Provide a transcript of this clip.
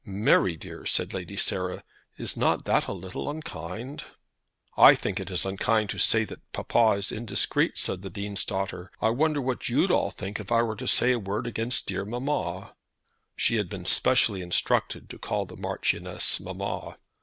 "Mary, dear," said Lady Sarah, "is not that a little unkind?" "I think it is unkind to say that papa is indiscreet," said the Dean's daughter. "I wonder what you'd all think if I were to say a word against dear mamma." She had been specially instructed to call the Marchioness mamma.